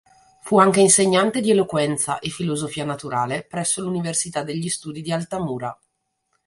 Fu anche insegnante di eloquenza e filosofia naturale presso l'Università degli Studi di Altamura.